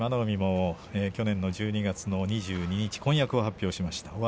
海も去年の１２月２２日婚約を発表しました。